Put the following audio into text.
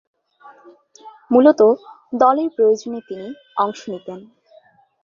মূলতঃ দলের প্রয়োজনে তিনি অংশ নিতেন।